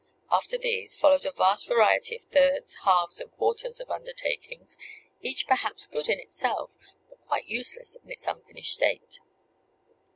After these, followed a great variety of thirds, halves, and quarters of undertakings, each perhaps good in itself, but quite useless in its unfinished state.